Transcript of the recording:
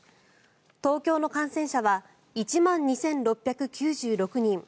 東京の感染者は１万２６９６人。